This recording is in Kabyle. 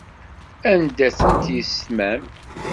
Anda-tent yissetma-m?